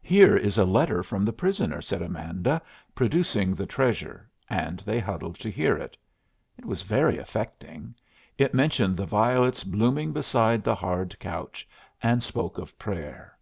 "Here is a letter from the prisoner," said Amanda, producing the treasure; and they huddled to hear it. It was very affecting. It mentioned the violets blooming beside the hard couch, and spoke of prayer.